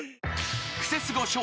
［クセスゴ笑